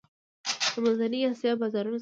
د منځنۍ اسیا بازارونه څنګه دي؟